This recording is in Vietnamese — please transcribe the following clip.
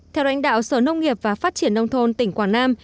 theo đánh đạo sở nông nghiệp và phát triển nông thôn tỉnh quảng nam